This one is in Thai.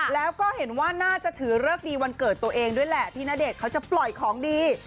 แล้วก็เห็นว่าน่าจะถือเลิกดีวันเกิดตัวเองด้วยแหละที่ณเดชน์เขาจะปล่อยของดี